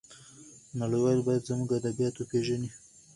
نړيوال بايد زموږ ادبيات وپېژني.